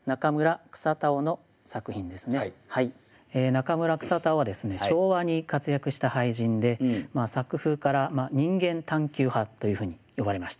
中村草田男は昭和に活躍した俳人で作風から「人間探求派」というふうに呼ばれました。